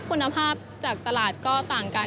คุณภาพจากตลาดก็ต่างกัน